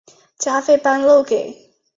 加班费漏给